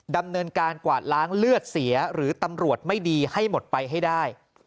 ดำเนินการกวาดล้างเลือดเสียหรือตำรวจไม่ดีให้หมดไปให้ได้